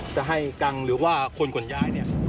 จะให้กังหรือว่าคนขนย้าย